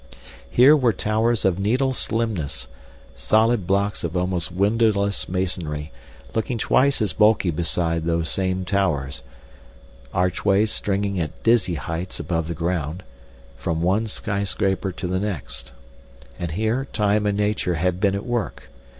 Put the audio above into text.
Here were towers of needle slimness, solid blocks of almost windowless masonry looking twice as bulky beside those same towers, archways stringing at dizzy heights above the ground from one skyscraper to the next. And here time and nature had been at work.